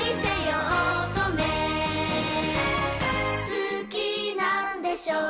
「好きなんでしょう？」